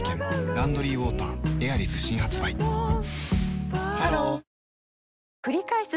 「ランドリーウォーターエアリス」新発売ハローくりかえす